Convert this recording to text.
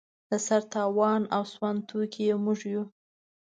د سر تاوان او سوند توکي یې موږ یو.